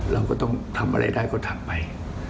เราก็ต้องทำอะไรได้ก็ทำไป